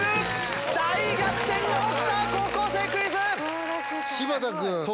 大逆転が起きた『高校生クイズ』。